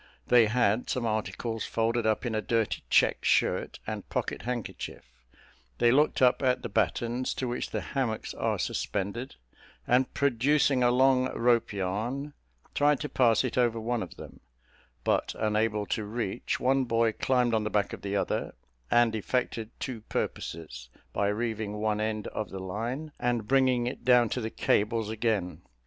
They had some articles folded up in a dirty check shirt and pocket handkerchief; they looked up at the battens, to which the hammocks are suspended, and producing a long rope yarn, tried to pass it over one of them; but unable to reach, one boy climbed on the back of the other, and effected two purposes, by reeving one end of the line, and bringing it down to the cables again.